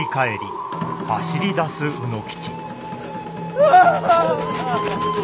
・うわ！